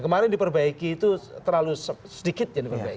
kemarin diperbaiki itu terlalu sedikit